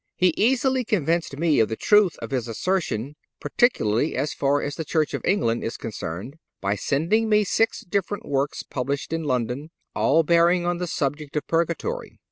He easily convinced me of the truth of his assertion, particularly as far as the Church of England is concerned, by sending me six different works published in London, all bearing on the subject of Purgatory.